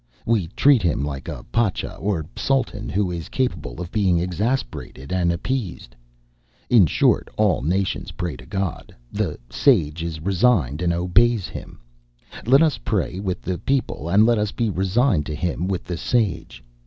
We treat him like a pacha, or a sultan, who is capable of being exasperated and appeased. In short, all nations pray to God; the sage is resigned, and obeys him. Let us pray with the people, and let us be resigned to him with the sage.